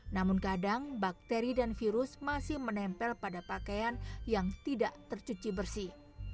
namun kadang bakteri dan virus masih menempel pada pakaian yang tidak tercuci bersih